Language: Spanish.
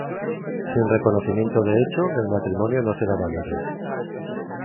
Sin reconocimiento de hecho, el matrimonio no será válido.